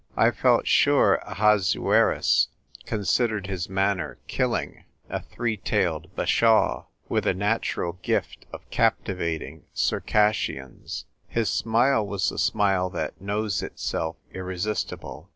I felt sure Ahasuerus considered his manner killing — a three tailed bashaw, with a natural gift of captivating Circassians. His smile was the smile that knows itself irresistible.